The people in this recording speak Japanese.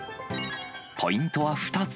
ポイントは２つ。